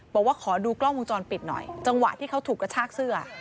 บอกว่าขอดูกล้องวงจรปิดหน่อยจังหวะที่เขาถูกกระชากเสื้อ